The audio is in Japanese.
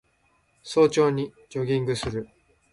早朝にジョギングする